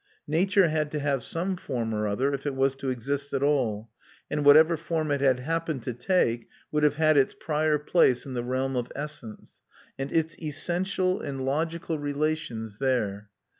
Nature had to have some form or other, if it was to exist at all; and whatever form it had happened to take would have had its prior place in the realm of essence, and its essential and logical relations there.